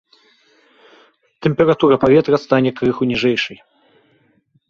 Тэмпература паветра стане крыху ніжэйшай.